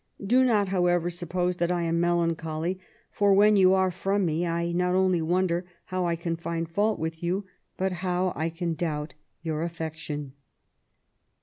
Do not, ■ however,, suppose that I am melancholy, for, when you are from me, I not onl^^ wonder how I can find fault with you, but how I can doubt your affection.